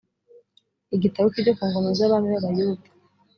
igitabo cy’ibyo ku ngoma z’abami b’abayuda